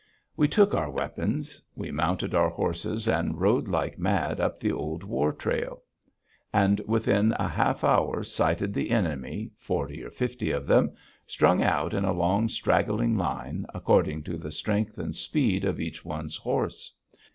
We took our weapons. We mounted our horses and rode like mad up the old war trail, and within a half hour sighted the enemy, forty or fifty of them, strung out in a long, straggling line, according to the strength and speed of each one's horse.